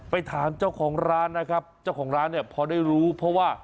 ไปถามเจ้าของร้านนะครับเจ้าของร้านเนี่ยพอได้รู้เพราะว่า